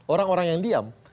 orang orang yang diam